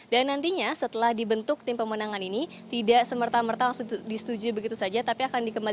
dan nantinya setelah dibentuk tim pemenangan ini tidak semerta merta disetujui begitu saja